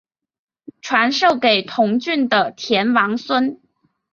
传授给同郡的田王孙。